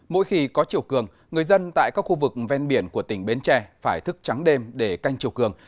mỗi khi có chiều cường người dân tại các khu vực ven biển của tỉnh bến tre phải thức trắng đêm để canh chiều cường